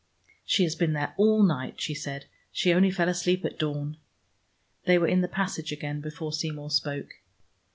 "She has been there all night," she said. "She only fell asleep at dawn." They were in the passage again before Seymour spoke.